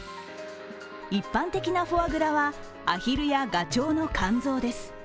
一般的なフォアグラはアヒルやガチョウの肝臓です。